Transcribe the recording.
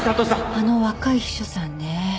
あの若い秘書さんね。